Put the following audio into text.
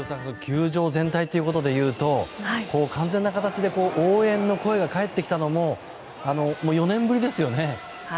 球場全体でということでいうと完全な形で応援の声が帰ってきたのも４年ぶりですよね。